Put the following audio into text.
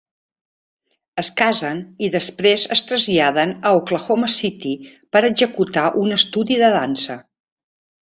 Es casen i després es traslladen a Oklahoma City per executar un estudi de dansa.